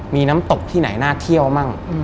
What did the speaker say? มีน้ำตกที่ไหนน่าเที่ยวมั่ง